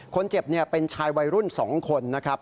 คนเจ็บเป็นชายวัยรุ่น๒คนนะครับ